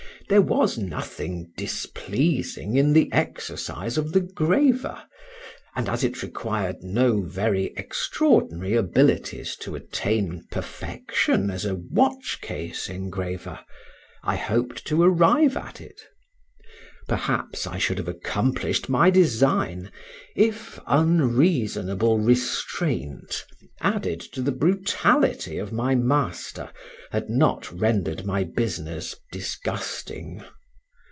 There was nothing displeasing in the exercise of the graver; and as it required no very extraordinary abilities to attain perfection as a watchcase engraver, I hoped to arrive at it. Perhaps I should have accomplished my design, if unreasonable restraint, added to the brutality of my master, had not rendered my business disgusting.